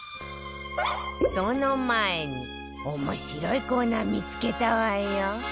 その前に面白いコーナー見付けたわよ